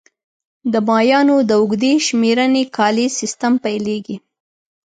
د مایانو د اوږدې شمېرنې کالیز سیستم پیلېږي